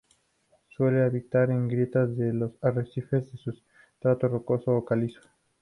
Suelen habitar en grietas de los arrecifes de sustrato rocoso o calizo.